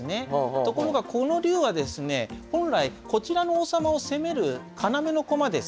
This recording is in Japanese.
ところがこの龍はですね本来こちらの王様を攻める要の駒です。